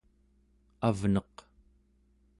avneq